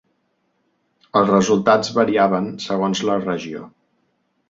Els resultats variaven segons la regió.